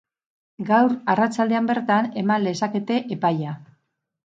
Gaur arratsaldean bertan eman lezakete epaia.